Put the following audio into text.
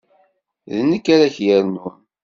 D nekk ara ken-yernun.